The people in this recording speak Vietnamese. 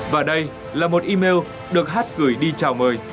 và đây là một email được hát gửi đi chào mời